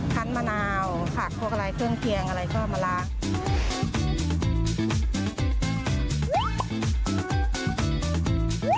มะนาวผักพวกอะไรเครื่องเคียงอะไรก็มาล้าง